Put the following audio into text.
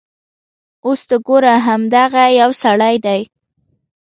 اوس ته ګوره همدغه یو سړی دی.